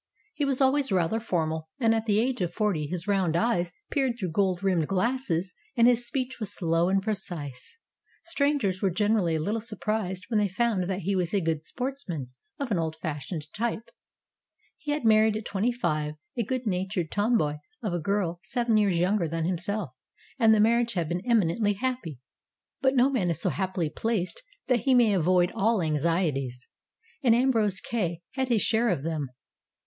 He was always rather formal, and at the age of forty his round eyes peered through gold rimmed glasses and his speech was slow and precise. Strangers were gener ally a little surprised when they found that he was a good sportsman, of an old fashioned type. He had married at twenty five a good natured tomboy of a girl seven years younger than himself, and the mar riage had been eminently happy. But no man is so happily placed that he may avoid all anxieties, and Ambrose Kay had his share of them.